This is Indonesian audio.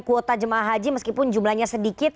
kuota jemaah haji meskipun jumlahnya sedikit